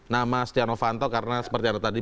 nama stiano fanto karena seperti ada tadi